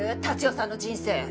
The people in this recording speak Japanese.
達代さんの人生。